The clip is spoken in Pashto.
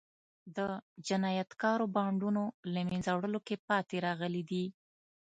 د جنایتکارو بانډونو له منځه وړلو کې پاتې راغلي دي.